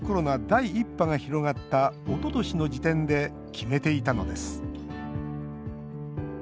第１波が広がったおととしの時点で決めていたのです。